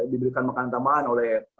diberikan makanan tambahan oleh